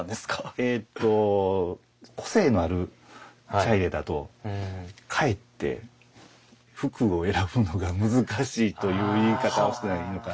えと個性のある茶入だとかえって服を選ぶのが難しいという言い方をしたらいいのかな。